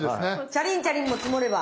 チャリンチャリンも積もれば。